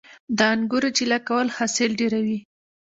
د انګورو چیله کول حاصل ډیروي